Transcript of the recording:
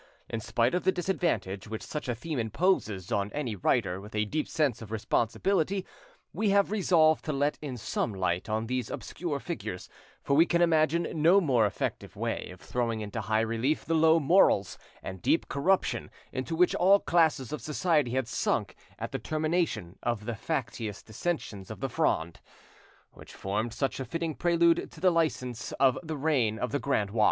In spite of the disadvantage which such a theme imposes on any writer with a deep sense of responsibility, we have resolved to let in some light on these obscure figures; for we can imagine no more effective way of throwing into high relief the low morals and deep corruption into which all classes of society had sunk at the termination of the factious dissensions of the Fronde, which formed such a fitting prelude to the licence of the reign of the grand roi.